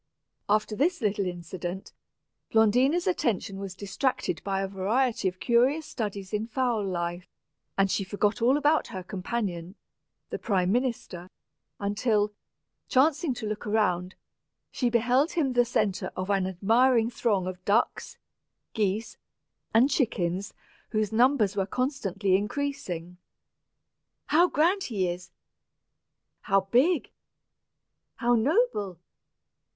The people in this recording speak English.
After this little incident, Blondina's attention was distracted by a variety of curious studies in fowl life, and she forgot all about her companion, the prime minister, until, chancing to look around, she beheld him the centre of an admiring throng of ducks, geese, and chickens, whose numbers were constantly increasing. "How grand he is!" "How big!" "How noble!"